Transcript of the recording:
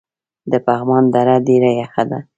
د پغمان دره ډیره یخه ده